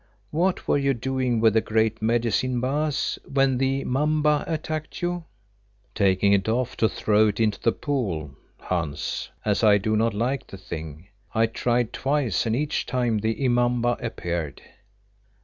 What were you doing with the Great Medicine, Baas, when the 'mamba attacked you?" "Taking it off to throw it into the pool, Hans, as I do not like the thing. I tried twice and each time the immamba appeared."